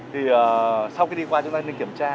thì sau khi đi qua chúng ta nên kiểm tra